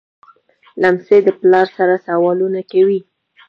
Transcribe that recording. لمسی د پلار سره سوالونه کوي.